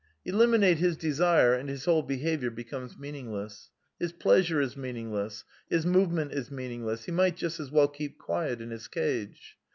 Eliminate his desire, and his whole behaviour becomes meaningless. His pleasure is meaningless; his move ment is meaningless ; he might just as well keep quiet in his cage.